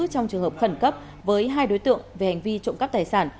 trong trường hợp khẩn cấp với hai đối tượng về hành vi trộm cắp tài sản